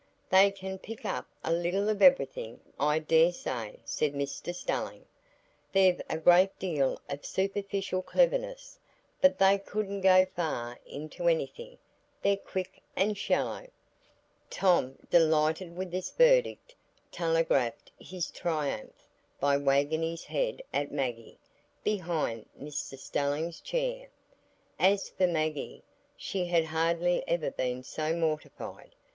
"They can pick up a little of everything, I dare say," said Mr Stelling. "They've a great deal of superficial cleverness; but they couldn't go far into anything. They're quick and shallow." Tom, delighted with this verdict, telegraphed his triumph by wagging his head at Maggie, behind Mr Stelling's chair. As for Maggie, she had hardly ever been so mortified.